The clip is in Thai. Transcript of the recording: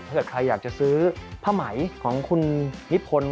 ถ้าเกิดใครอยากจะซื้อผ้าไหมของคุณนิพนธ์